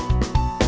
oke sampai jumpa